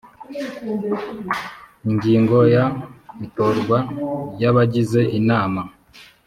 ingingo ya itorwa ry abagize inama